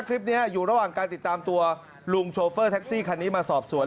คลิปนี้อยู่ระหว่างการติดตามตัวลุงโชเฟอร์แท็กซี่คันนี้มาสอบสวน